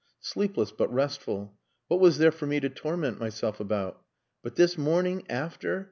Sleepless but restful. What was there for me to torment myself about? But this morning after!